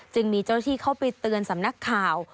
จึงมีเจ้าที่เข้าไปเตือนสำนักข่าว